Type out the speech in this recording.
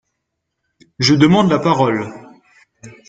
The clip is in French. Je demande la parole